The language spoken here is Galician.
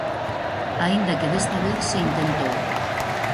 Aínda que desta vez se intentou.